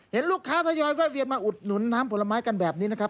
เห็นลูกค้าทยอยแวะเวียนมาอุดหนุนน้ำผลไม้กันแบบนี้นะครับ